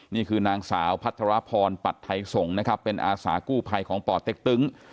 นี่คือนางสาวพัทรพรปัดไทยส่งนะครับเป็นอาสากู้ภัยของป่อเต็กตึง